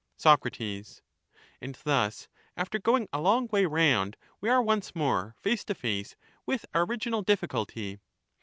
Soc, And thus, after going a long way round, we are once more face to face with our original difficulty.